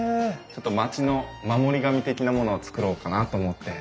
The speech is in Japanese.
町の守り神的なものをつくろうかなと思って。